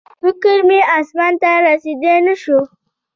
فکر مې اسمان ته رسېدی نه شو